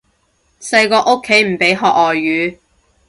細個屋企唔俾學外語